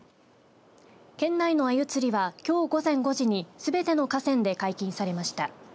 県内のあゆ釣りはきょう午前５時にすべての河川で解禁されました。